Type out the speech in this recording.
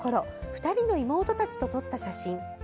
２人の妹たちと撮った写真。